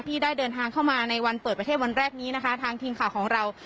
ที่ได้เดินทางเข้ามาในวันเปิดประเทศวันแรกนี้นะคะทางทีมข่าวของเรา